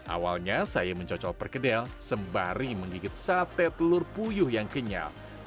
awalnya saya mencocol perkedel sembari menggigit sate telur puyuh yang kenyal